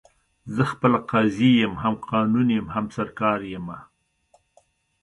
زه خپله قاضي یم، هم قانون یم، هم سرکار یمه